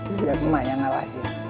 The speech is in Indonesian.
udah emak yang ngalas ya